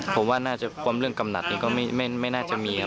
ผมว่าน่าจะความเรื่องกำหนัดก็ไม่น่าจะมีครับ